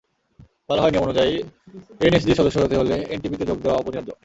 বলা হয়, নিয়ম অনুযায়ী এনএসজির সদস্য হতে হলে এনপিটিতে যোগ দেওয়া অপরিহার্য।